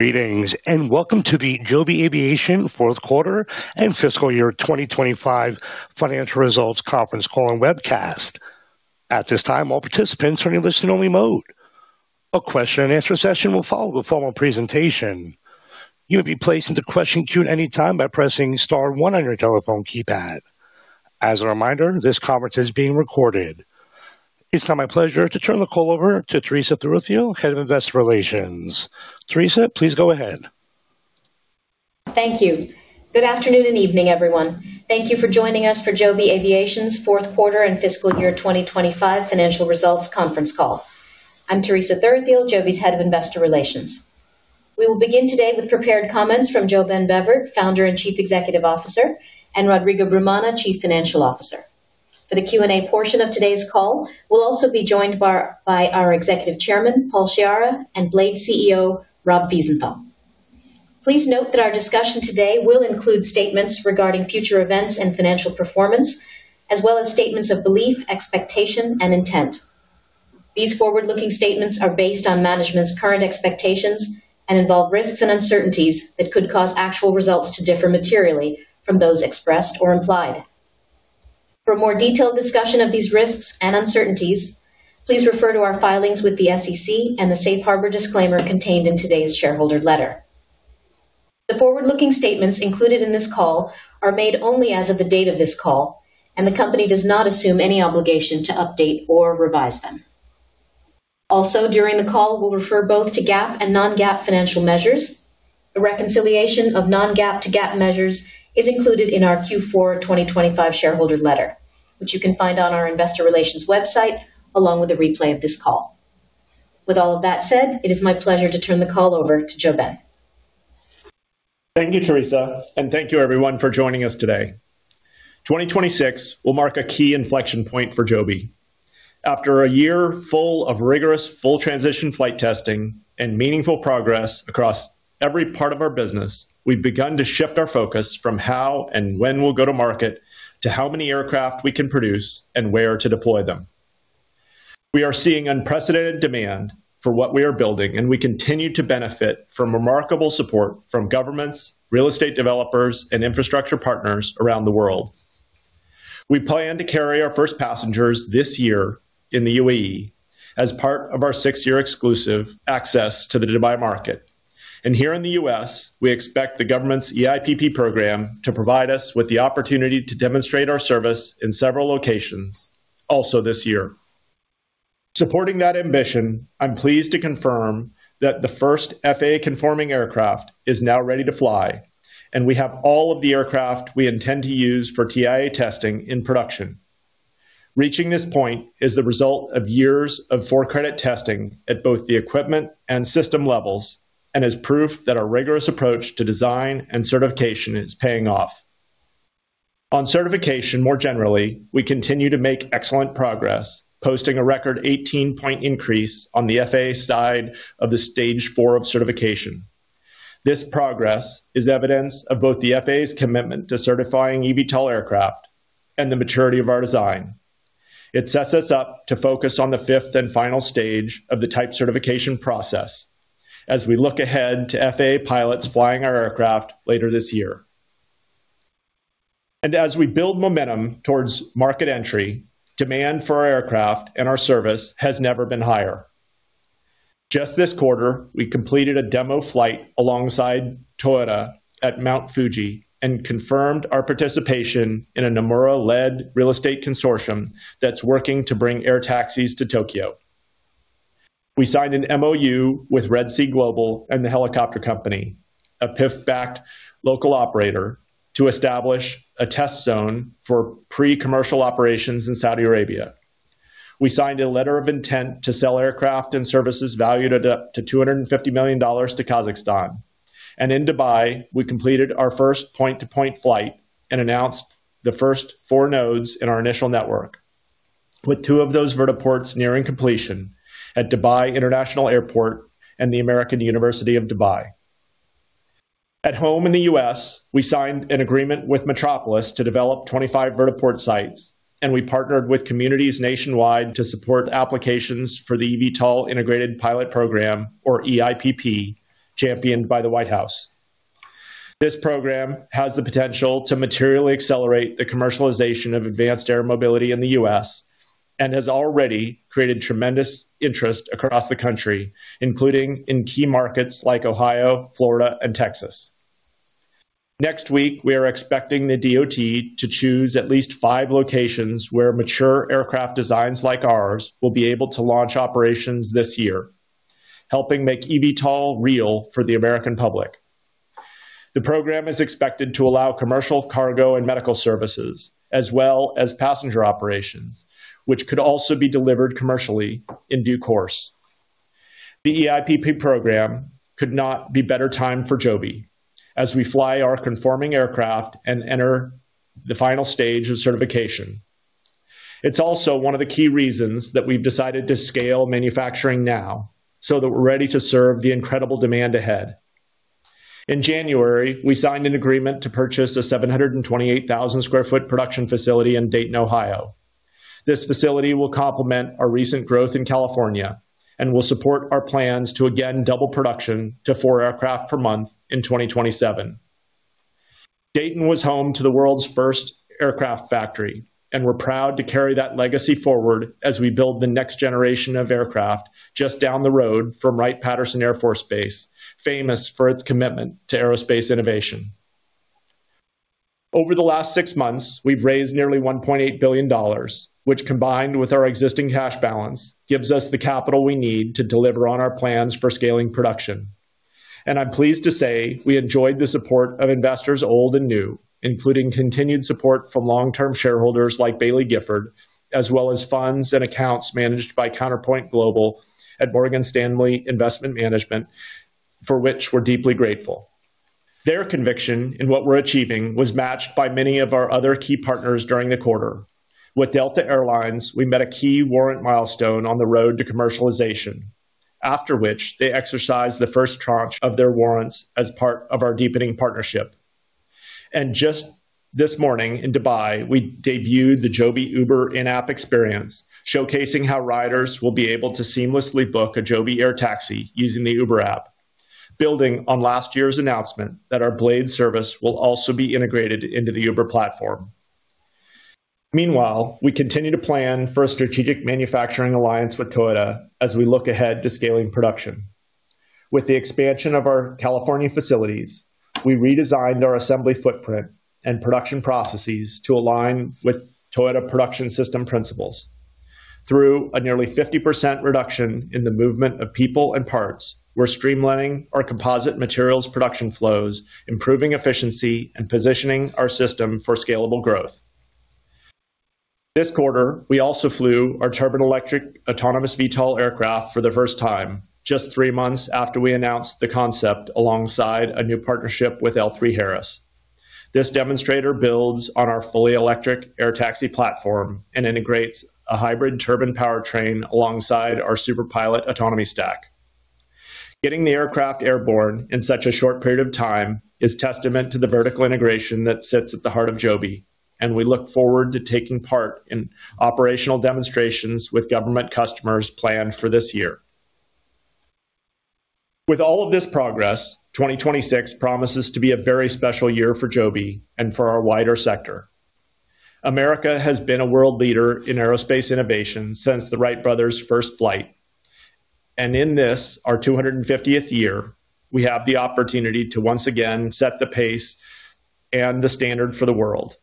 Greetings, welcome to the Joby Aviation Q4 and Fiscal Year 2025 Financial Results Conference Call and Webcast. At this time, all participants are in listen-only mode. A question-and-answer session will follow the formal presentation. You will be placed into the question queue at any time by pressing star one on your telephone keypad. As a reminder, this conference is being recorded. It's now my pleasure to turn the call over to Teresa Thuruthiyil, Head of Investor Relations. Teresa, please go ahead. Thank you. Good afternoon and evening, everyone. Thank you for joining us for Joby Aviation's Q4 and fiscal year 2025 financial results conference call. I'm Teresa Thuruthiyil, Joby's Head of Investor Relations. We will begin today with prepared comments from JoeBen Bevirt, Founder and Chief Executive Officer, and Rodrigo Brumana, Chief Financial Officer. For the Q&A portion of today's call, we'll also be joined by our Executive Chairman, Paul Sciarra, and Blade CEO, Rob Wiesenthal. Please note that our discussion today will include statements regarding future events and financial performance, as well as statements of belief, expectation, and intent. These forward-looking statements are based on management's current expectations and involve risks and uncertainties that could cause actual results to differ materially from those expressed or implied. For a more detailed discussion of these risks and uncertainties, please refer to our filings with the SEC and the safe harbor disclaimer contained in today's shareholder letter. The forward-looking statements included in this call are made only as of the date of this call, and the company does not assume any obligation to update or revise them. Also, during the call, we'll refer both to GAAP and non-GAAP financial measures. The reconciliation of non-GAAP to GAAP measures is included in our Q4 2025 shareholder letter, which you can find on our investor relations website, along with a replay of this call. With all of that said, it is my pleasure to turn the call over to JoeBen. Thank you, Teresa, and thank you, everyone, for joining us today. 2026 will mark a key inflection point for Joby. After a year full of rigorous full transition flight testing and meaningful progress across every part of our business, we've begun to shift our focus from how and when we'll go to market to how many aircraft we can produce and where to deploy them. We are seeing unprecedented demand for what we are building, and we continue to benefit from remarkable support from governments, real estate developers, and infrastructure partners around the world. We plan to carry our first passengers this year in the UAE as part of our six-year exclusive access to the Dubai market, and here in the U.S., we expect the government's eIPP program to provide us with the opportunity to demonstrate our service in several locations also this year. Supporting that ambition, I'm pleased to confirm that the first FAA-conforming aircraft is now ready to fly, and we have all of the aircraft we intend to use for TIA testing in production. Reaching this point is the result of years of for-credit testing at both the equipment and system levels, and is proof that our rigorous approach to design and certification is paying off. On certification, more generally, we continue to make excellent progress, posting a record 18-point increase on the FAA side of the Stage Four of certification. This progress is evidence of both the FAA's commitment to certifying eVTOL aircraft and the maturity of our design. It sets us up to focus on the fifth and final stage of the type certification process as we look ahead to FAA pilots flying our aircraft later this year. As we build momentum towards market entry, demand for our aircraft and our service has never been higher. Just this quarter, we completed a demo flight alongside Toyota at Mount Fuji and confirmed our participation in a Nomura-led real estate consortium that's working to bring air taxis to Tokyo. We signed an MOU with Red Sea Global and The Helicopter Company, a PIF-backed local operator, to establish a test zone for pre-commercial operations in Saudi Arabia. We signed a letter of intent to sell aircraft and services valued at up to $250 million to Kazakhstan. In Dubai, we completed our first point-to-point flight and announced the first four nodes in our initial network, with two of those vertiports nearing completion at Dubai International Airport and the American University in Dubai. At home in the U.S., we signed an agreement with Metropolis to develop 25 vertiport sites, and we partnered with communities nationwide to support applications for the eVTOL Integration Pilot Program, or eIPP, championed by the White House. This program has the potential to materially accelerate the commercialization of advanced air mobility in the U.S. and has already created tremendous interest across the country, including in key markets like Ohio, Florida, and Texas. Next week, we are expecting the DOT to choose at least five locations where mature aircraft designs like ours will be able to launch operations this year, helping make eVTOL real for the American public. The program is expected to allow commercial cargo and medical services, as well as passenger operations, which could also be delivered commercially in due course. The eIPP program could not be better timed for Joby as we fly our conforming aircraft and enter the final stage of certification. It's also one of the key reasons that we've decided to scale manufacturing now, so that we're ready to serve the incredible demand ahead. In January, we signed an agreement to purchase a 728,000-sq ft production facility in Dayton, Ohio. This facility will complement our recent growth in California and will support our plans to again double production to 4 aircraft per month in 2027. Dayton was home to the world's first aircraft factory, and we're proud to carry that legacy forward as we build the next generation of aircraft just down the road from Wright-Patterson Air Force Base, famous for its commitment to aerospace innovation. Over the last six months, we've raised nearly $1.8 billion, which, combined with our existing cash balance, gives us the capital we need to deliver on our plans for scaling production. I'm pleased to say we enjoyed the support of investors, old and new, including continued support from long-term shareholders like Baillie Gifford, as well as funds and accounts managed by Counterpoint Global at Morgan Stanley Investment Management, for which we're deeply grateful. Their conviction in what we're achieving was matched by many of our other key partners during the quarter. With Delta Air Lines, we met a key warrant milestone on the road to commercialization, after which they exercised the first tranche of their warrants as part of our deepening partnership. Just this morning in Dubai, we debuted the Joby Uber in-app experience, showcasing how riders will be able to seamlessly book a Joby air taxi using the Uber app, building on last year's announcement that our Blade Service will also be integrated into the Uber platform. Meanwhile, we continue to plan for a strategic manufacturing alliance with Toyota as we look ahead to scaling production. With the expansion of our California facilities, we redesigned our assembly footprint and production processes to align with Toyota Production System principles. Through a nearly 50% reduction in the movement of people and parts, we're streamlining our composite materials production flows, improving efficiency, and positioning our system for scalable growth. This quarter, we also flew our turbine-electric autonomous VTOL aircraft for the first time, just 3 months after we announced the concept alongside a new partnership with L3Harris. This demonstrator builds on our fully electric air taxi platform and integrates a hybrid turbine powertrain alongside our Super Pilot autonomy stack. Getting the aircraft airborne in such a short period of time is testament to the vertical integration that sits at the heart of Joby, and we look forward to taking part in operational demonstrations with government customers planned for this year. With all of this progress, 2026 promises to be a very special year for Joby and for our wider sector. America has been a world leader in aerospace innovation since the Wright brothers' first flight, and in this, our 250th year, we have the opportunity to once again set the pace and the standard for the world.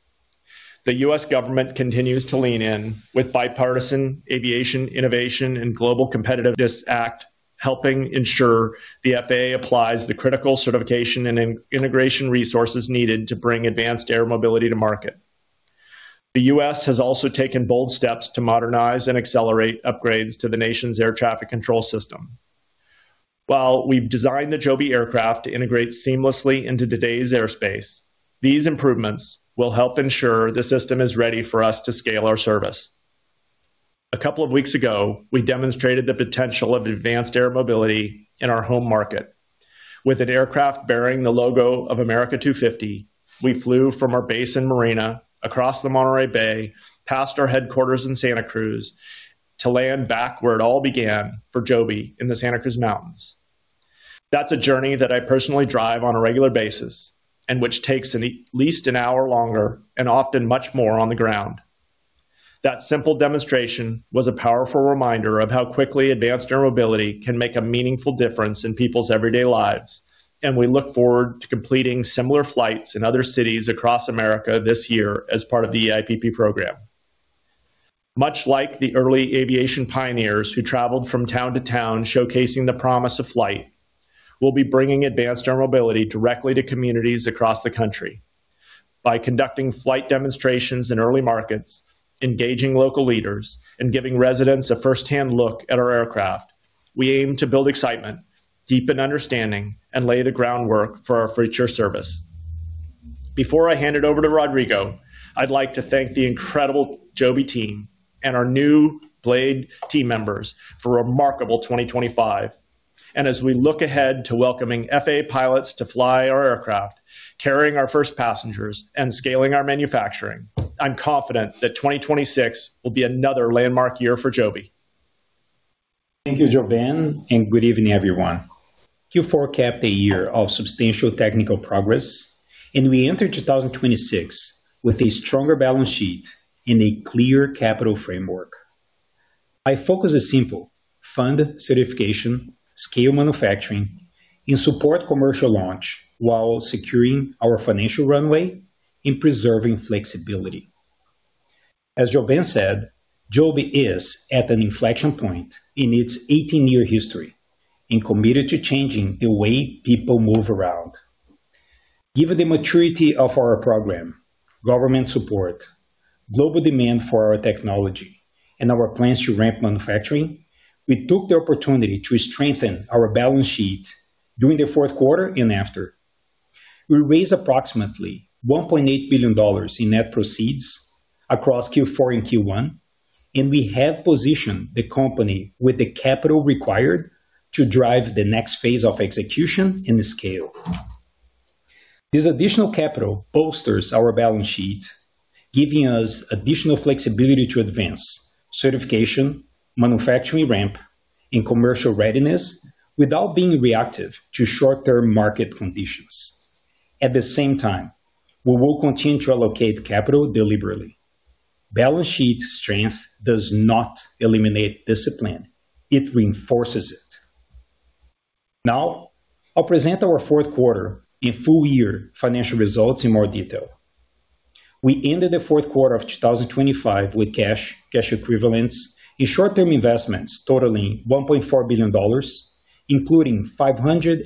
The U.S. government continues to lean in with bipartisan Aviation Innovation and Global Competitiveness Act, helping ensure the FAA applies the critical certification and integration resources needed to bring advanced air mobility to market. The U.S. has also taken bold steps to modernize and accelerate upgrades to the nation's air traffic control system. While we've designed the Joby aircraft to integrate seamlessly into today's airspace, these improvements will help ensure the system is ready for us to scale our service. A couple of weeks ago, we demonstrated the potential of advanced air mobility in our home market. With an aircraft bearing the logo of America 250, we flew from our base in Marina across the Monterey Bay, past our headquarters in Santa Cruz, to land back where it all began for Joby in the Santa Cruz Mountains. That's a journey that I personally drive on a regular basis, and which takes at least 1 hour longer and often much more on the ground. That simple demonstration was a powerful reminder of how quickly advanced air mobility can make a meaningful difference in people's everyday lives, and we look forward to completing similar flights in other cities across America this year as part of the eIPP program. Much like the early aviation pioneers who traveled from town to town, showcasing the promise of flight, we'll be bringing advanced air mobility directly to communities across the country. By conducting flight demonstrations in early markets, engaging local leaders, and giving residents a firsthand look at our aircraft, we aim to build excitement, deepen understanding, and lay the groundwork for our future service. Before I hand it over to Rodrigo, I'd like to thank the incredible Joby team and our new Blade team members for a remarkable 2025. As we look ahead to welcoming FAA pilots to fly our aircraft, carrying our first passengers and scaling our manufacturing, I'm confident that 2026 will be another landmark year for Joby. Thank you, JoeBen, good evening, everyone. Q4 capped a year of substantial technical progress. We enter 2026 with a stronger balance sheet and a clear capital framework. Our focus is simple: fund certification, scale manufacturing, and support commercial launch while securing our financial runway and preserving flexibility. As JoeBen said, Joby is at an inflection point in its 18-year history committed to changing the way people move around. Given the maturity of our program, government support, global demand for our technology, our plans to ramp manufacturing, we took the opportunity to strengthen our balance sheet during the Q4 after. We raised approximately $1 billion in net proceeds across Q4 and Q1. We have positioned the company with the capital required to drive the next phase of execution and scale.... This additional capital bolsters our balance sheet, giving us additional flexibility to advance certification, manufacturing ramp, and commercial readiness without being reactive to short-term market conditions. At the same time, we will continue to allocate capital deliberately. Balance sheet strength does not eliminate discipline, it reinforces it. I'll present our Q4 and full year financial results in more detail. We ended the Q4 of 2025 with cash equivalents, and short-term investments totaling $1.4 billion, including $586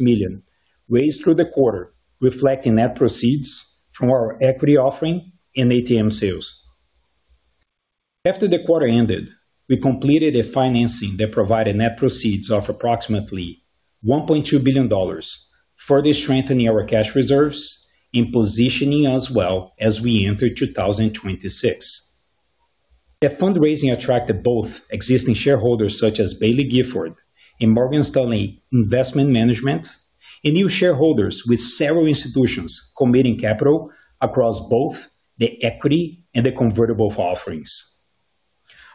million raised through the quarter, reflecting net proceeds from our equity offering and ATM sales. After the quarter ended, we completed a financing that provided net proceeds of approximately $1.2 billion, further strengthening our cash reserves and positioning us well as we enter 2026. The fundraising attracted both existing shareholders, such as Baillie Gifford and Morgan Stanley Investment Management, and new shareholders, with several institutions committing capital across both the equity and the convertible offerings.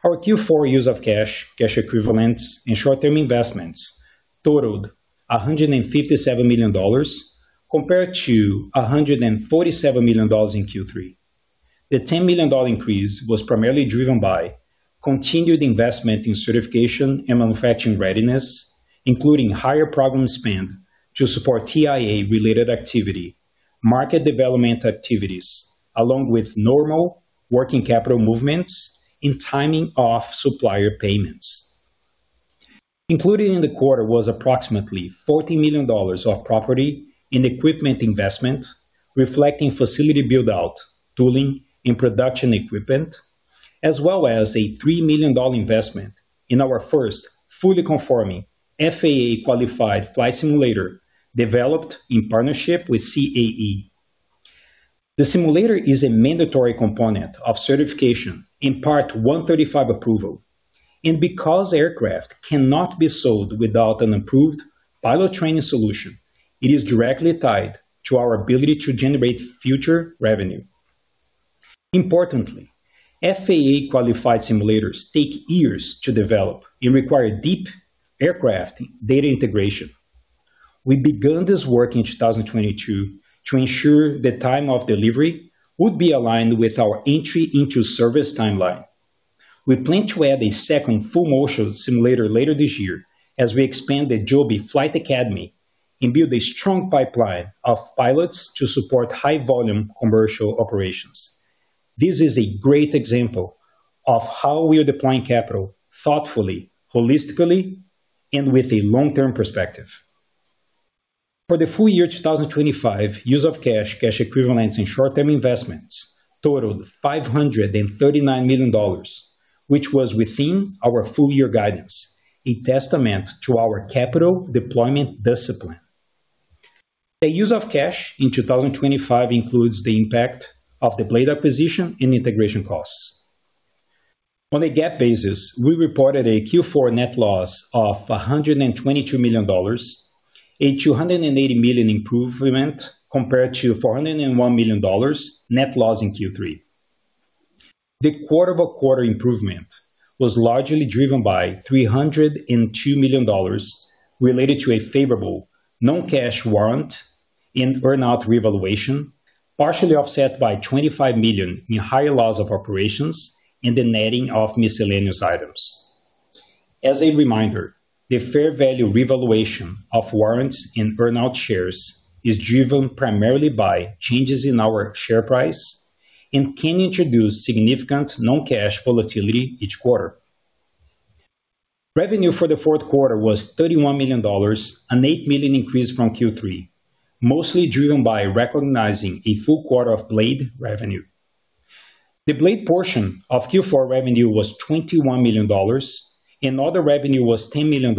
Our Q4 use of cash equivalents, and short-term investments totaled $157 million, compared to $147 million in Q3. The $10 million increase was primarily driven by continued investment in certification and manufacturing readiness, including higher program spend to support TIA-related activity, market development activities, along with normal working capital movements and timing of supplier payments. Included in the quarter was approximately $40 million of property and equipment investment, reflecting facility build-out, tooling, and production equipment, as well as a $3 million investment in our first fully conforming FAA qualified flight simulator, developed in partnership with CAE. The simulator is a mandatory component of certification in Part 135 approval. Because aircraft cannot be sold without an approved pilot training solution, it is directly tied to our ability to generate future revenue. Importantly, FAA qualified simulators take years to develop and require deep aircraft data integration. We began this work in 2022 to ensure the time of delivery would be aligned with our entry into service timeline. We plan to add a second full motion simulator later this year as we expand the Joby Flight Academy and build a strong pipeline of pilots to support high-volume commercial operations. This is a great example of how we are deploying capital thoughtfully, holistically, and with a long-term perspective. For the full year, 2025, use of cash equivalents, and short-term investments totaled $539 million, which was within our full year guidance, a testament to our capital deployment discipline. The use of cash in 2025 includes the impact of the Blade acquisition and integration costs. On a GAAP basis, we reported a Q4 net loss of $122 million, a $280 million improvement compared to $401 million net loss in Q3. The quarter-over-quarter improvement was largely driven by $302 million related to a favorable non-cash warrant and earn-out revaluation, partially offset by $25 million in higher loss of operations and the netting of miscellaneous items. As a reminder, the fair value revaluation of warrants and earn-out shares is driven primarily by changes in our share price and can introduce significant non-cash volatility each quarter. Revenue for the Q4 was $31 million, an $8 million increase from Q3, mostly driven by recognizing a full quarter of Blade revenue. The Blade portion of Q4 revenue was $21 million, and other revenue was $10 million,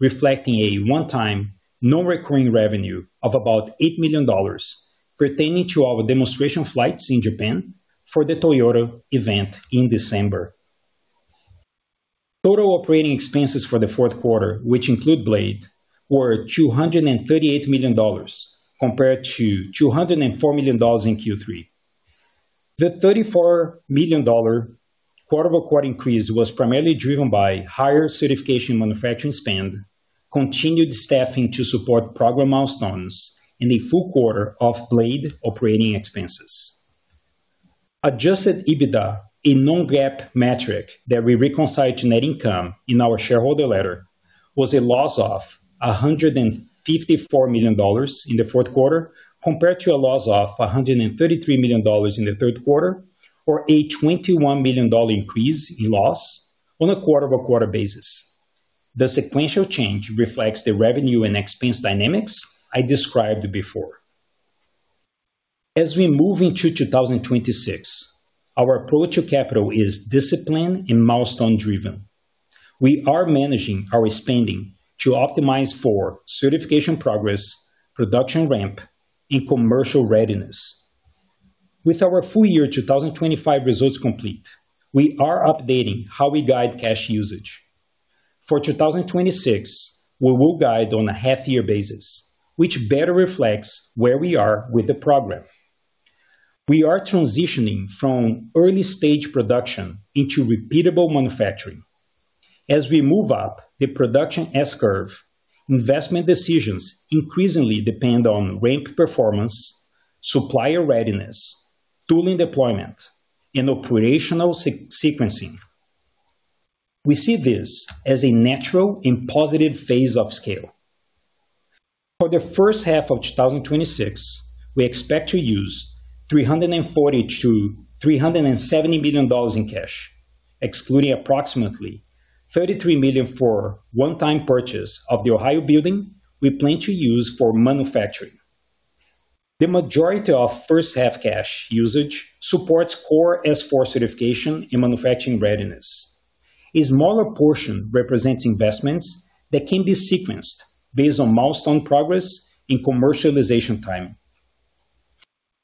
reflecting a one-time, non-recurring revenue of about $8 million pertaining to our demonstration flights in Japan for the Toyota event in December. Total operating expenses for the Q4, which include Blade, were $238 million, compared to $204 million in Q3. The $34 million quarter-over-quarter increase was primarily driven by higher certification manufacturing spend, continued staffing to support program milestones, and a full quarter of Blade operating expenses. Adjusted EBITDA, a non-GAAP metric that we reconcile to net income in our shareholder letter, was a loss of $154 million in the Q4, compared to a loss of $133 million in the Q3, or a $21 million increase in loss on a quarter-over-quarter basis. The sequential change reflects the revenue and expense dynamics I described before. As we move into 2026, our approach to capital is discipline and milestone driven. We are managing our spending to optimize for certification progress, production ramp, and commercial readiness. With our full year 2025 results complete, we are updating how we guide cash usage. For 2026, we will guide on a half year basis, which better reflects where we are with the progress. We are transitioning from early stage production into repeatable manufacturing. As we move up the production S-curve, investment decisions increasingly depend on ramp performance, supplier readiness, tooling deployment, and operational sequencing. We see this as a natural and positive phase of scale. For the first half of 2026, we expect to use $340 million-$370 million in cash, excluding approximately $33 million for one-time purchase of the Ohio building we plan to use for manufacturing. The majority of first half cash usage supports core S4 certification and manufacturing readiness. A smaller portion represents investments that can be sequenced based on milestone progress and commercialization time.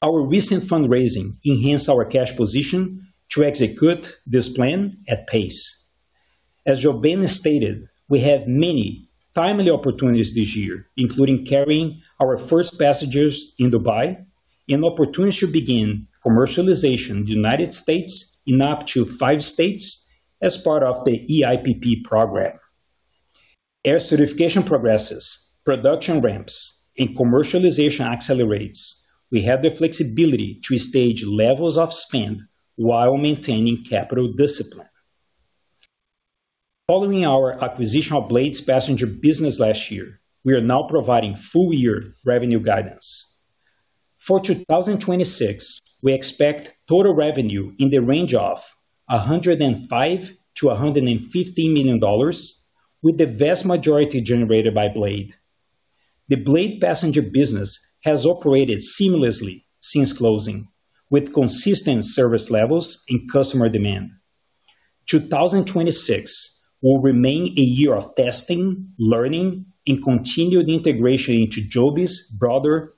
Our recent fundraising enhanced our cash position to execute this plan at pace. As JoeBen stated, we have many timely opportunities this year, including carrying our first passengers in Dubai and opportunities to begin commercialization in the United States in up to five states as part of the eIPP program. As certification progresses, production ramps and commercialization accelerates, we have the flexibility to stage levels of spend while maintaining capital discipline. Following our acquisition of Blade's passenger business last year, we are now providing full year revenue guidance. For 2026, we expect total revenue in the range of $105 million-$150 million, with the vast majority generated by Blade. The Blade passenger business has operated seamlessly since closing, with consistent service levels and customer demand. 2026 will remain a year of testing, learning, and continued integration into Joby's broader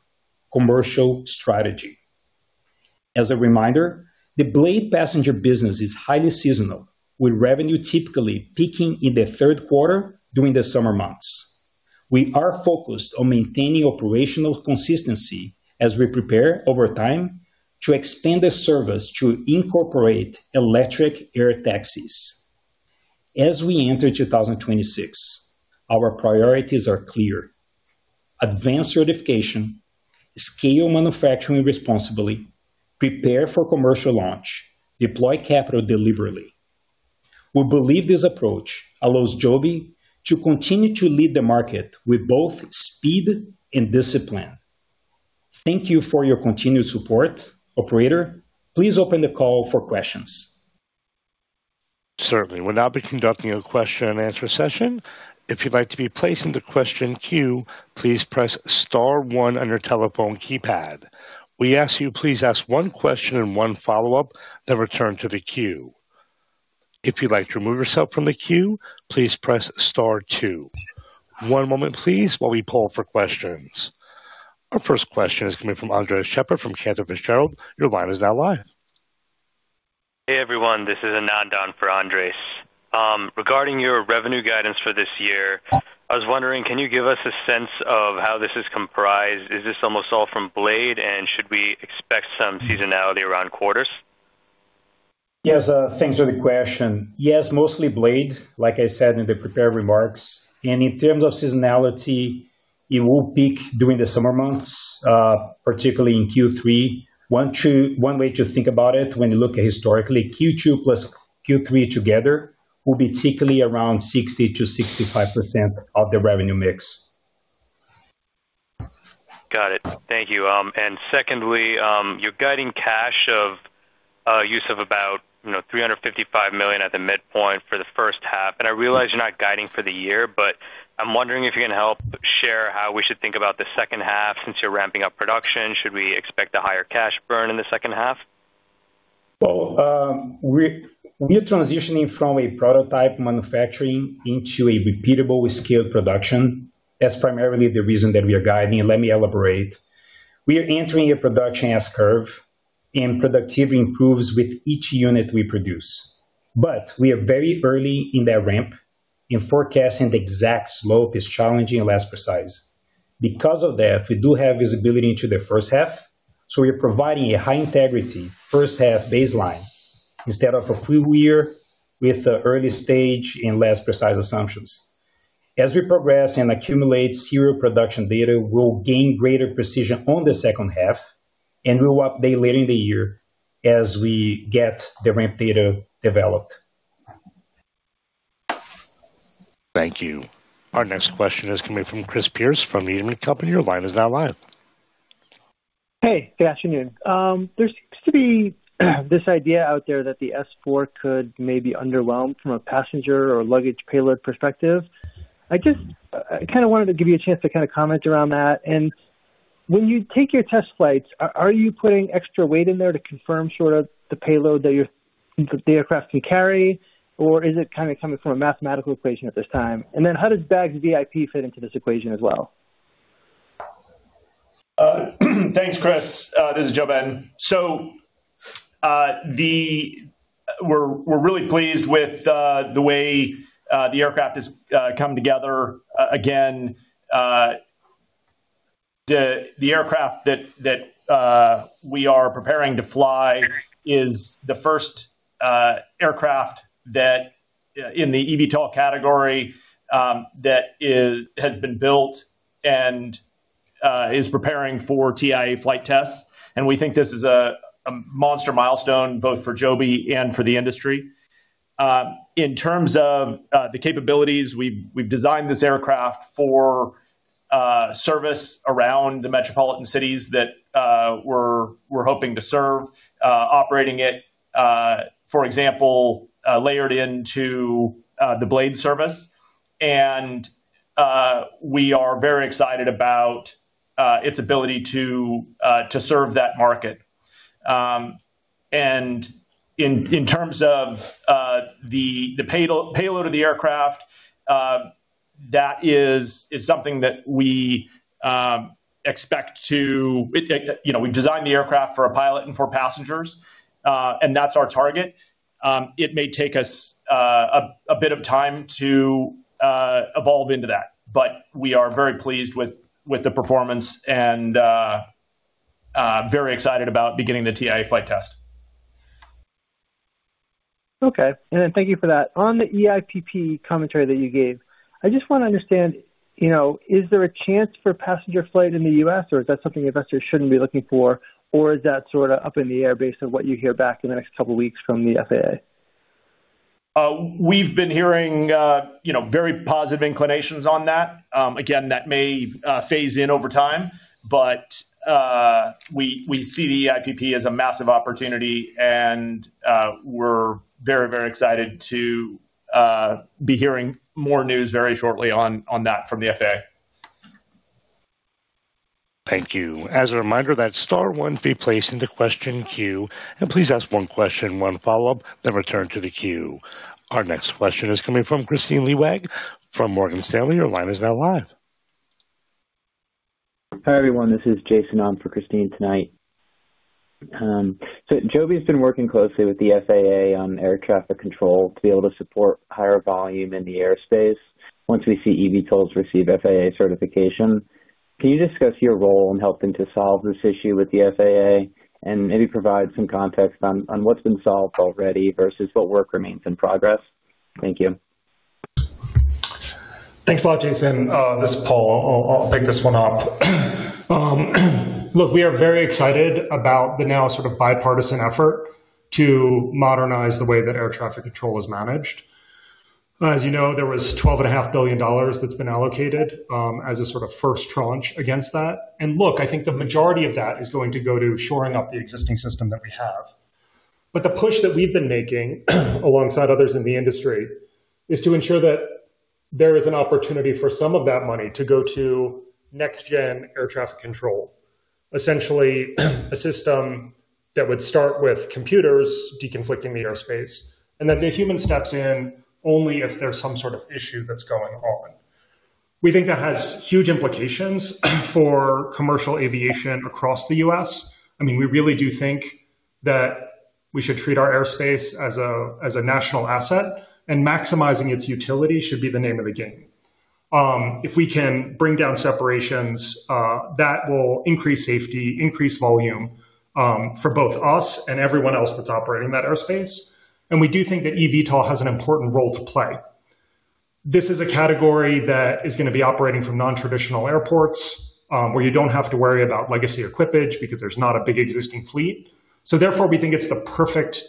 commercial strategy. As a reminder, the Blade passenger business is highly seasonal, with revenue typically peaking in the Q3 during the summer months. We are focused on maintaining operational consistency as we prepare over time to expand the service to incorporate electric air taxis. As we enter 2026, our priorities are clear: advance certification, scale manufacturing responsibly, prepare for commercial launch, deploy capital deliberately. We believe this approach allows Joby to continue to lead the market with both speed and discipline. Thank you for your continued support. Operator, please open the call for questions. Certainly. We'll now be conducting a question and answer session. If you'd like to be placed in the question queue, please press star 1 on your telephone keypad. We ask you please ask 1 question and 1 follow-up, then return to the queue. If you'd like to remove yourself from the queue, please press star 2. 1 moment please, while we poll for questions. Our first question is coming from Andres Sheppard from Cantor Fitzgerald. Your line is now live. Hey, everyone, this is Anandon for Andres. Regarding your revenue guidance for this year, I was wondering, can you give us a sense of how this is comprised? Is this almost all from Blade, and should we expect some seasonality around quarters? Yes, thanks for the question. Yes, mostly Blade, like I said in the prepared remarks, and in terms of seasonality, it will peak during the summer months, particularly in Q3. One way to think about it, when you look at historically, Q2 plus Q3 together will be typically around 60%-65% of the revenue mix. Got it. Thank you. Secondly, you're guiding cash of use of about, you know, $355 million at the midpoint for the first half, and I realize you're not guiding for the year, but I'm wondering if you can help share how we should think about the second half since you're ramping up production. Should we expect a higher cash burn in the second half? We're transitioning from a prototype manufacturing into a repeatable scaled production. That's primarily the reason that we are guiding, and let me elaborate. We are entering a production S-curve, and productivity improves with each unit we produce. We are very early in that ramp, and forecasting the exact slope is challenging and less precise. Because of that, we do have visibility into the first half, so we're providing a high integrity first half baseline instead of a full year with the early stage and less precise assumptions. As we progress and accumulate serial production data, we'll gain greater precision on the second half, and we'll update later in the year as we get the ramp data developed. Thank you. Our next question is coming from Chris Pierce from Needham & Company. Your line is now live. Hey, good afternoon. There seems to be this idea out there that the S4 could maybe underwhelm from a passenger or luggage payload perspective. I just kind of wanted to give you a chance to kind of comment around that. When you take your test flights, are you putting extra weight in there to confirm sort of the payload that the aircraft can carry, or is it kind of coming from a mathematical equation at this time? How does Bags VIP fit into this equation as well? Thanks, Chris. This is JoeBen. We're really pleased with the way the aircraft is coming together. The aircraft that we are preparing to fly is the first aircraft that in the eVTOL category has been built and is preparing for TIA flight tests. We think this is a monster milestone, both for Joby and for the industry. In terms of the capabilities, we've designed this aircraft for service around the metropolitan cities that we're hoping to serve, operating it, for example, layered into the Blade service. We are very excited about its ability to serve that market. In terms of the payload of the aircraft, that is something that we expect to, you know, we've designed the aircraft for a pilot and for passengers, and that's our target. It may take us a bit of time to evolve into that. We are very pleased with the performance and very excited about beginning the TIA flight test. Okay, thank you for that. On the eIPP commentary that you gave, I just want to understand, you know, is there a chance for passenger flight in the U.S., or is that something investors shouldn't be looking for? Or is that sort of up in the air based on what you hear back in the next couple of weeks from the FAA? We've been hearing, you know, very positive inclinations on that. Again, that may phase in over time, but we see the eIPP as a massive opportunity, and we're very, very excited to be hearing more news very shortly on that from the FAA. Thank you. As a reminder, that's star one to be placed into question queue. Please ask one question, one follow-up, then return to the queue. Our next question is coming from Kristine Liwag from Morgan Stanley. Your line is now live. Hi, everyone, this is Jason on for Kristine tonight. Joby's been working closely with the FAA on air traffic control to be able to support higher volume in the airspace once we see eVTOLs receive FAA certification. Can you discuss your role in helping to solve this issue with the FAA, and maybe provide some context on what's been solved already versus what work remains in progress? Thank you. Thanks a lot, Jason. This is Paul. I'll pick this one up. Look, we are very excited about the now sort of bipartisan effort to modernize the way that air traffic control is managed. As you know, there was twelve and a half billion dollars that's been allocated, as a sort of first tranche against that. Look, I think the majority of that is going to go to shoring up the existing system that we have. The push that we've been making, alongside others in the industry, is to ensure that there is an opportunity for some of that money to go to next-gen air traffic control. Essentially, a system that would start with computers deconflicting the airspace, and that the human steps in only if there's some sort of issue that's going on. We think that has huge implications for commercial aviation across the U.S. I mean, we really do think that we should treat our airspace as a, as a national asset, and maximizing its utility should be the name of the game. If we can bring down separations, that will increase safety, increase volume, for both us and everyone else that's operating in that airspace. We do think that eVTOL has an important role to play. This is a category that is going to be operating from non-traditional airports, where you don't have to worry about legacy equipage because there's not a big existing fleet. Therefore, we think it's the perfect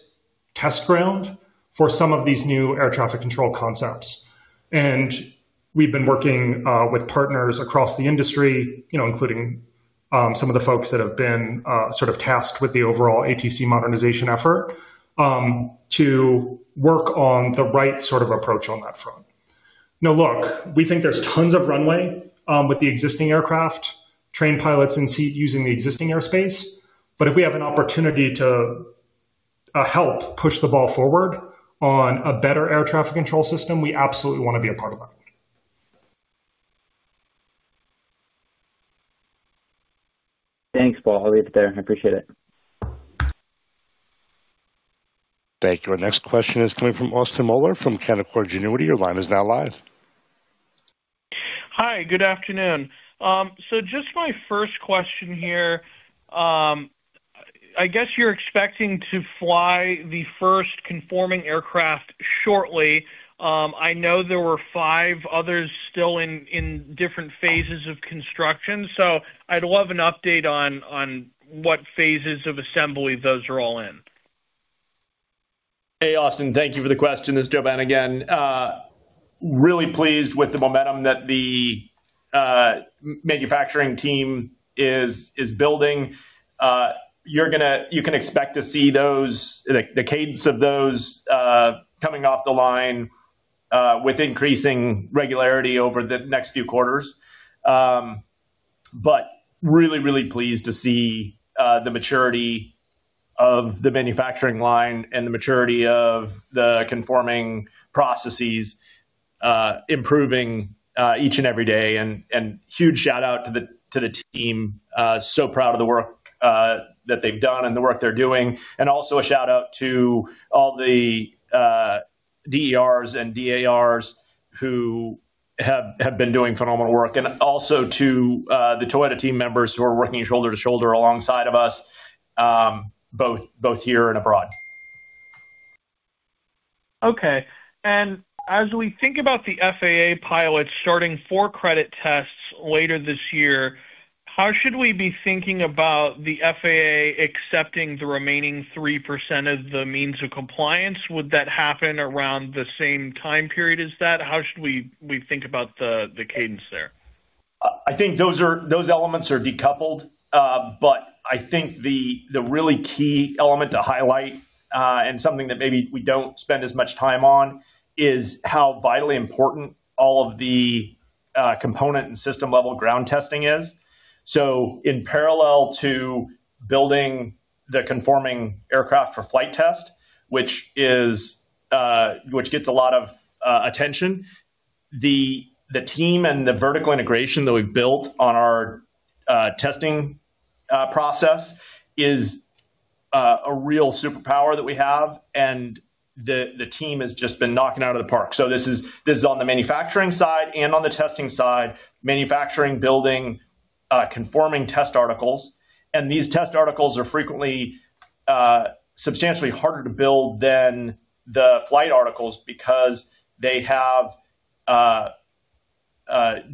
test ground for some of these new air traffic control concepts. We've been working with partners across the industry, you know, including some of the folks that have been sort of tasked with the overall ATC modernization effort to work on the right sort of approach on that front. Now, look, we think there's tons of runway with the existing aircraft, trained pilots in seat using the existing airspace. If we have an opportunity to help push the ball forward on a better air traffic control system, we absolutely want to be a part of that. Thanks, Paul. I'll leave it there. I appreciate it. Thank you. Our next question is coming from Austin Moeller, from Canaccord Genuity. Your line is now live. Hi, good afternoon. Just my first question here. I guess you're expecting to fly the first conforming aircraft shortly. I know there were five others still in different phases of construction, so I'd love an update on what phases of assembly those are all in. Hey, Austin, thank you for the question. It's JoeBen again. Really pleased with the momentum that the manufacturing team is building. You can expect to see those, the cadence of those coming off the line with increasing regularity over the next few quarters. Really, really pleased to see the maturity of the manufacturing line and the maturity of the conforming processes improving each and every day. Huge shout out to the team. Proud of the work that they've done and the work they're doing. Also a shout out to all the DERs and DARs who have been doing phenomenal work, and also to the Toyota team members who are working shoulder to shoulder alongside of us, both here and abroad. Okay. As we think about the FAA pilot starting four credit tests later this year, how should we be thinking about the FAA accepting the remaining 3% of the means of compliance? Would that happen around the same time period as that? How should we think about the cadence there? I think those elements are decoupled. I think the really key element to highlight, and something that maybe we don't spend as much time on, is how vitally important all of the component and system-level ground testing is. In parallel to building the conforming aircraft for flight test, which is, which gets a lot of attention, the team and the vertical integration that we've built on our testing process is a real superpower that we have, and the team has just been knocking out of the park. This is on the manufacturing side and on the testing side, manufacturing, building, conforming test articles. These test articles are frequently substantially harder to build than the flight articles because they have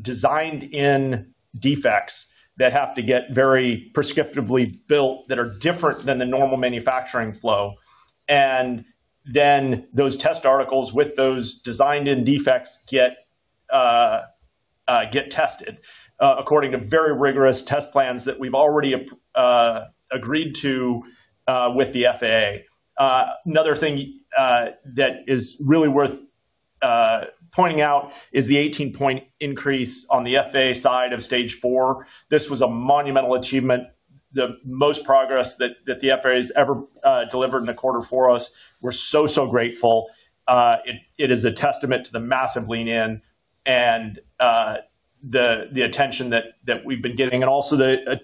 designed in defects that have to get very prescriptively built, that are different than the normal manufacturing flow. Those test articles with those designed-in defects get tested according to very rigorous test plans that we've already agreed to with the FAA. Another thing that is really worth pointing out is the 18-point increase on the FAA side of Stage Four. This was a monumental achievement, the most progress that the FAA has ever delivered in a quarter for us. We're so grateful. It is a testament to the massive lean in and the attention that we've been getting, and also the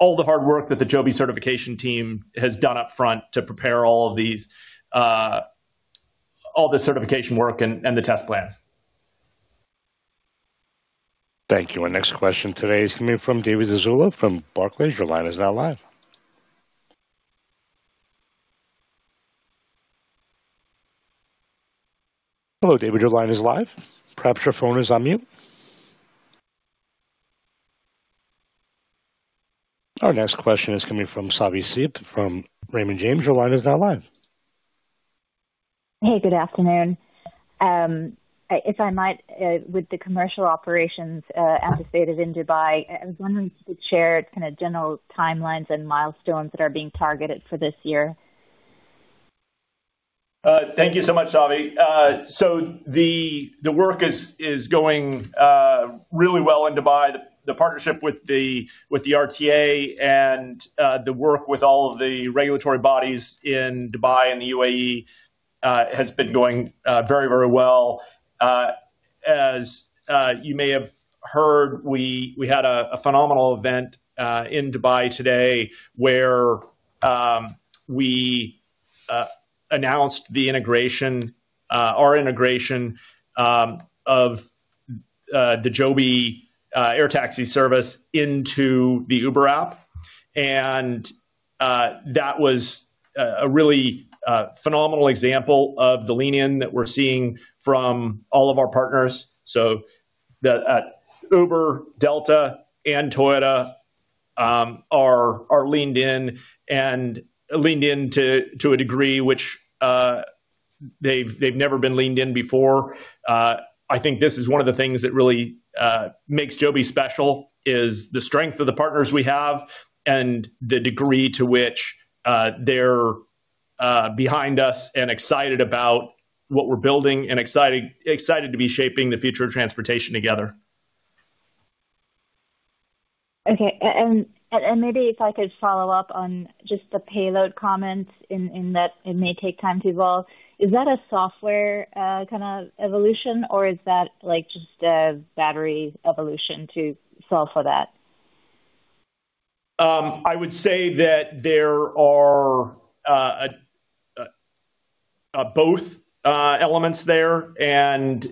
all the hard work that the Joby certification team has done up front to prepare all of these all the certification work and the test plans. Thank you. Our next question today is coming from David Zazula from Barclays. Your line is now live. Hello, David, your line is live. Perhaps your phone is on mute. Our next question is coming from Savi Seip, from Raymond James. Your line is now live. Hey, good afternoon. If I might, with the commercial operations, anticipated in Dubai, I was wondering if you could share kind of general timelines and milestones that are being targeted for this year? Thank you so much, Savi. The work is going really well in Dubai. The partnership with the RTA and the work with all of the regulatory bodies in Dubai and the UAE has been going very, very well. As you may have heard, we had a phenomenal event in Dubai today, where we announced the integration, our integration of the Joby air taxi service into the Uber app. That was a really phenomenal example of the lean in that we're seeing from all of our partners. The Uber, Delta and Toyota are leaned in and leaned in to a degree which they've never been leaned in before. I think this is one of the things that really makes Joby special, is the strength of the partners we have and the degree to which they're behind us and excited about what we're building and excited to be shaping the future of transportation together. Okay, maybe if I could follow up on just the payload comment in that it may take time to evolve. Is that a software kind of evolution, or is that like just a battery evolution to solve for that? I would say that there are both elements there and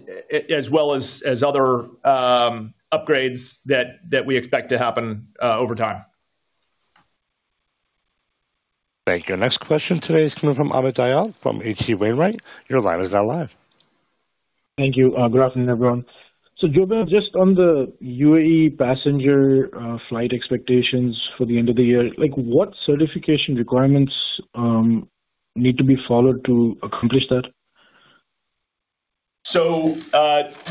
as well as other upgrades that we expect to happen over time. Thank you. Our next question today is coming from Amit Dayal, from H.C. Wainwright. Your line is now live. Thank you. Good afternoon, everyone. Joby, just on the UAE passenger, flight expectations for the end of the year, like, what certification requirements need to be followed to accomplish that?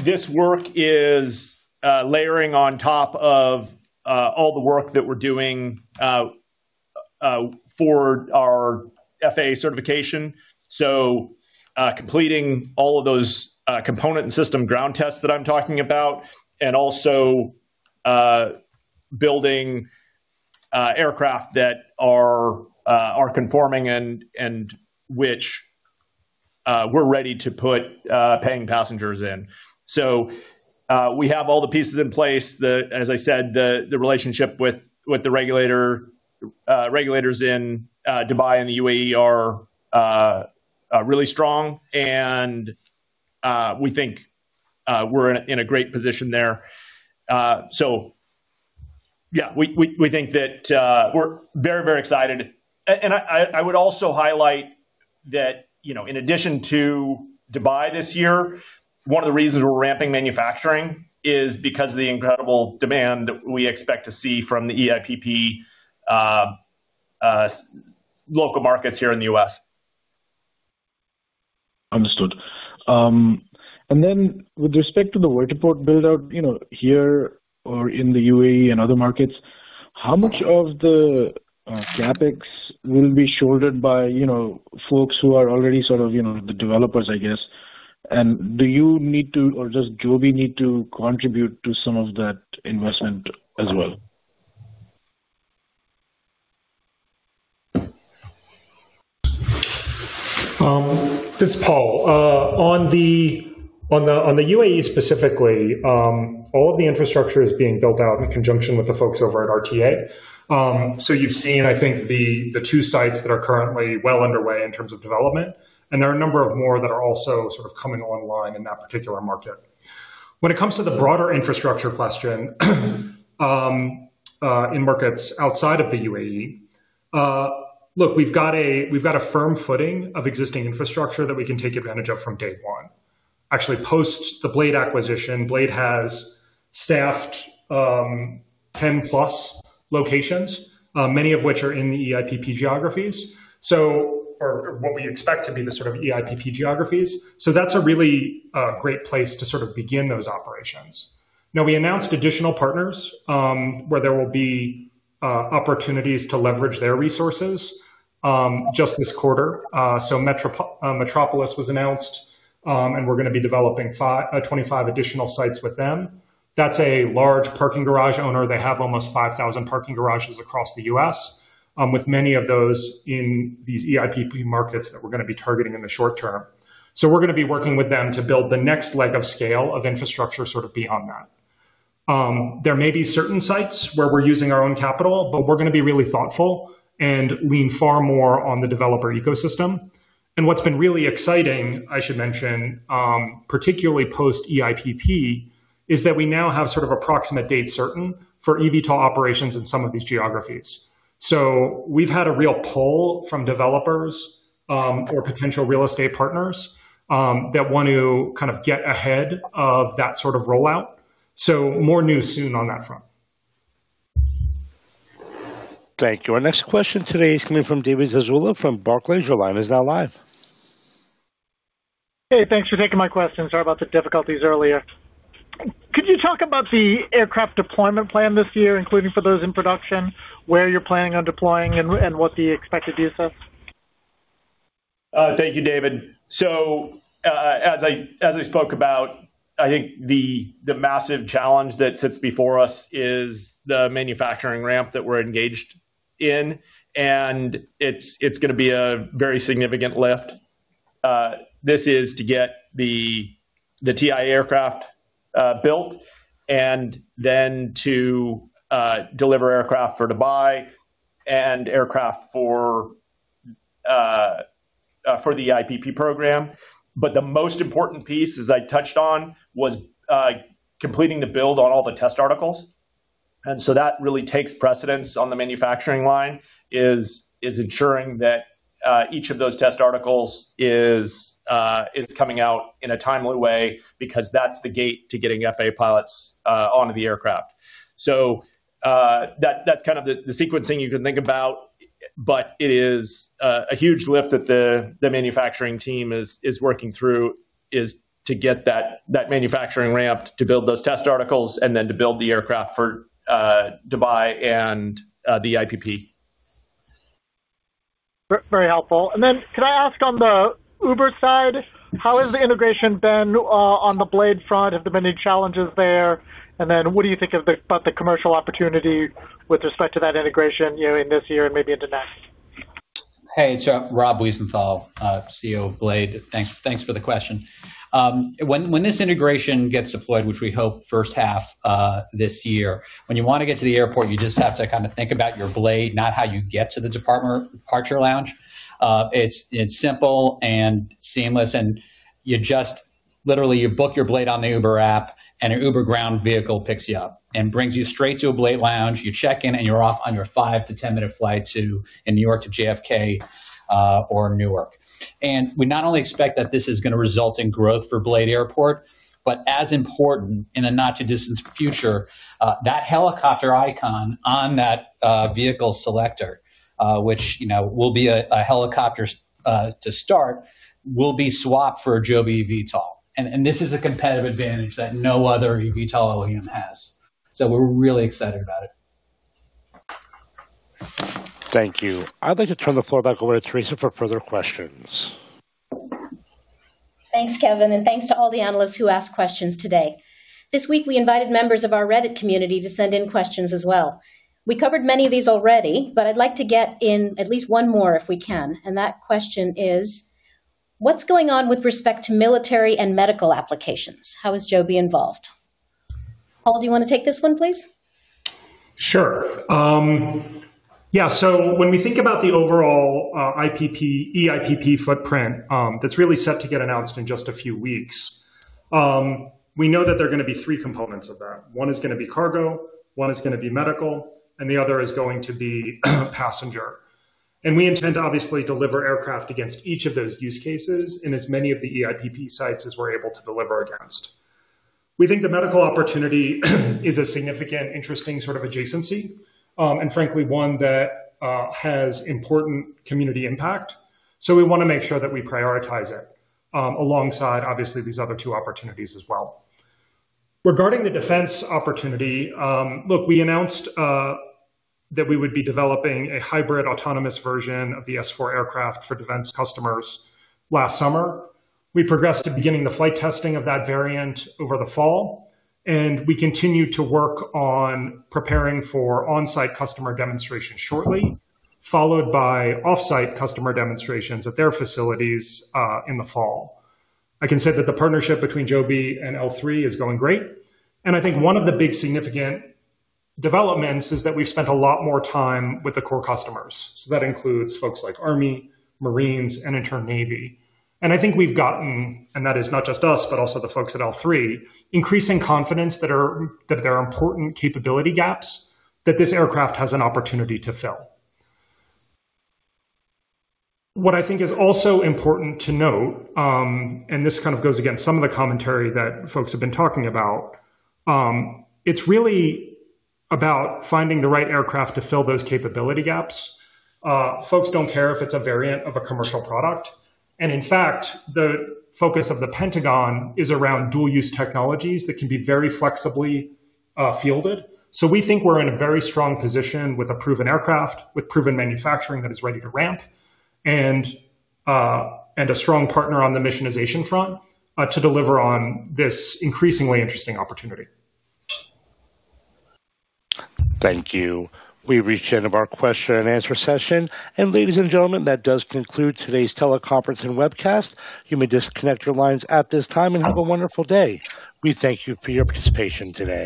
This work is layering on top of all the work that we're doing for our FAA certification. Completing all of those component and system ground tests that I'm talking about, and also building aircraft that are conforming and which we're ready to put paying passengers in. We have all the pieces in place. As I said, the relationship with the regulator, regulators in Dubai and the UAE are really strong, and we think we're in a great position there. Yeah, we think that we're very, very excited. I would also highlight that, you know, in addition to Dubai this year, one of the reasons we're ramping manufacturing is because of the incredible demand that we expect to see from the eIPP, local markets here in the U.S. Understood. With respect to the vertiport build-out, you know, here or in the UAE and other markets, how much of the CapEx will be shouldered by, you know, folks who are already sort of, you know, the developers, I guess? Do you need to or does Joby need to contribute to some of that investment as well? This is Paul. On the UAE specifically, all of the infrastructure is being built out in conjunction with the folks over at RTA. You've seen, I think, the two sites that are currently well underway in terms of development, and there are a number of more that are also sort of coming online in that particular market. When it comes to the broader infrastructure question, in markets outside of the UAE, we've got a firm footing of existing infrastructure that we can take advantage of from day one. Actually, post the Blade acquisition, Blade has staffed 10 plus locations, many of which are in the EIPP geographies, what we expect to be the sort of EIPP geographies. That's a really great place to sort of begin those operations. We announced additional partners where there will be opportunities to leverage their resources just this quarter. Metropolis was announced, and we're going to be developing 25 additional sites with them. That's a large parking garage owner. They have almost 5,000 parking garages across the U.S., with many of those in these eIPP markets that we're going to be targeting in the short term. We're going to be working with them to build the next leg of scale of infrastructure sort of beyond that. There may be certain sites where we're using our own capital, but we're going to be really thoughtful and lean far more on the developer ecosystem. What's been really exciting, I should mention, particularly post eIPP, is that we now have sort of approximate date certain for eVTOL operations in some of these geographies. We've had a real pull from developers, or potential real estate partners, that want to kind of get ahead of that sort of rollout. More news soon on that front. Thank you. Our next question today is coming from David Zazula from Barclays. Your line is now live. Hey, thanks for taking my question. Sorry about the difficulties earlier. Could you talk about the aircraft deployment plan this year, including for those in production, where you're planning on deploying, and what the expected use is? Thank you, David. As I spoke about, I think the massive challenge that sits before us is the manufacturing ramp that we're engaged in, and it's gonna be a very significant lift. This is to get the TIA aircraft built and then to deliver aircraft for Dubai and aircraft for the eIPP program. The most important piece, as I touched on, was completing the build on all the test articles. That really takes precedence on the manufacturing line, is ensuring that each of those test articles is coming out in a timely way because that's the gate to getting FAA pilots onto the aircraft. That's kind of the sequencing you can think about, but it is a huge lift that the manufacturing team is working through, is to get that manufacturing ramp to build those test articles and then to build the aircraft for Dubai and the eIPP. Very helpful. Then could I ask on the Uber side, how has the integration been on the Blade front? Have there been any challenges there? Then what do you think about the commercial opportunity with respect to that integration, you know, in this year and maybe into next? Hey, it's Rob Wiesenthal, CEO of Blade. Thanks for the question. When this integration gets deployed, which we hope first half this year, when you want to get to the airport, you just have to kind of think about your Blade, not how you get to the departure lounge. It's simple and seamless. Literally, you book your Blade on the Uber app, and an Uber Ground vehicle picks you up and brings you straight to a Blade lounge. You check in, and you're off on your 5- to 10-minute flight to, in New York, to JFK, or Newark. We not only expect that this is going to result in growth for Blade Airport, but as important in the not-too-distant future, that helicopter icon on that vehicle selector, which, you know, will be a helicopter to start, will be swapped for a Joby eVTOL. This is a competitive advantage that no other eVTOL OEM has. We're really excited about it. Thank you. I'd like to turn the floor back over to Teresa for further questions. Thanks, Kevin, thanks to all the analysts who asked questions today. This week, we invited members of our Reddit community to send in questions as well. We covered many of these already, but I'd like to get in at least one more, if we can. That question is: What's going on with respect to military and medical applications? How is Joby involved? Paul, do you want to take this one, please? Sure. Yeah, so when we think about the overall IPP, eIPP footprint, that's really set to get announced in just a few weeks, we know that there are gonna be 3 components of that. One is gonna be cargo, one is gonna be medical, and the other is going to be passenger. We intend to obviously deliver aircraft against each of those use cases in as many of the eIPP sites as we're able to deliver against. We think the medical opportunity is a significant, interesting sort of adjacency, and frankly, one that has important community impact. We want to make sure that we prioritize it alongside, obviously, these other 2 opportunities as well. Regarding the defense opportunity, look, we announced that we would be developing a hybrid autonomous version of the S-four aircraft for defense customers last summer. We progressed to beginning the flight testing of that variant over the fall, and we continue to work on preparing for on-site customer demonstrations shortly, followed by off-site customer demonstrations at their facilities in the fall. I can say that the partnership between Joby and L-three is going great, and I think one of the big significant developments is that we've spent a lot more time with the core customers. That includes folks like Army, Marines, and in turn, Navy. I think we've gotten, and that is not just us, but also the folks at L-three, increasing confidence that there are important capability gaps that this aircraft has an opportunity to fill. What I think is also important to note, this kind of goes against some of the commentary that folks have been talking about, it's really about finding the right aircraft to fill those capability gaps. Folks don't care if it's a variant of a commercial product, and in fact, the focus of the Pentagon is around dual-use technologies that can be very flexibly fielded. We think we're in a very strong position with a proven aircraft, with proven manufacturing that is ready to ramp, and a strong partner on the missionization front, to deliver on this increasingly interesting opportunity. Thank you. We've reached the end of our question and answer session. Ladies and gentlemen, that does conclude today's teleconference and webcast. You may disconnect your lines at this time and have a wonderful day. We thank you for your participation today.